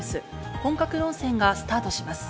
本格論戦がスタートします。